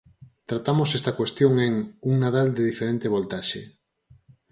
Tratamos esta cuestión en 'Un Nadal de diferente voltaxe'.